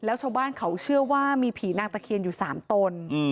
แล้วชาวบ้านเขาเชื่อว่ามีผีนางตะเคียนอยู่๓ตน